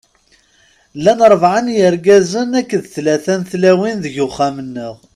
Llan ṛebɛa n yirgazen akked tlata n tlawin deg uxxam-nteɣ.